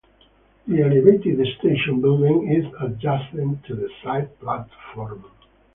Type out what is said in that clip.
The elevated station building is adjacent to the side platform.